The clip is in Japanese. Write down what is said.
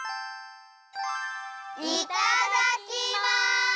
いただきます！